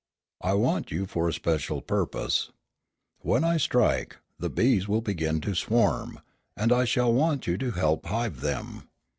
I want you for a special purpose. When I strike, the bees will begin to swarm, and I shall want you to help hive them."